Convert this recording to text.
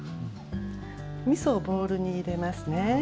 みそをボウルに入れますね。